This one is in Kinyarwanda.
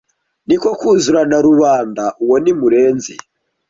Ni ko kuzura na Rubanda uwo ni Murenzi